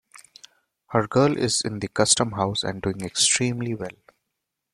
Her girl is in the Custom House, and doing extremely well.